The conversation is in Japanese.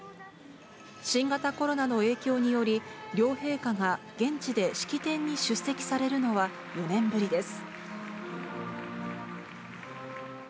新型コロナの影響により、両陛下が現地で式典に出席されるのは４年ぶりです。